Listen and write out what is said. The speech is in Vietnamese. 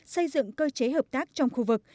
xây dựng cơ chế hợp tác trong khu vực